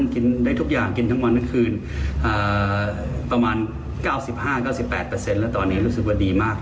กินได้ทุกอย่างกินทั้งวันทั้งคืนประมาณ๙๕๙๘แล้วตอนนี้รู้สึกว่าดีมาก